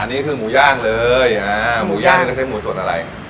อันนี้คือหมูย่างเลยหมูย่างนี่ต้องใช้หมูสดอะไร